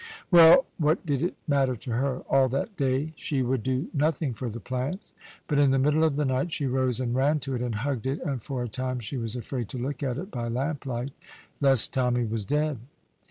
Well, what did it matter to her? All that day she would do nothing for the plant, but in the middle of the night she rose and ran to it and hugged it, and for a time she was afraid to look at it by lamplight, lest Tommy was dead.